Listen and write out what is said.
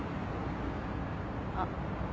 あっ。